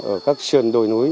ở các sườn đồi núi